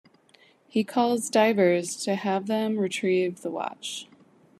He calls divers to have them retrieve the watch.